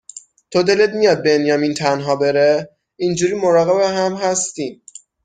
تو دلت میاد بنیامین تنها بره؟ اینجوری مراقب هم هستیم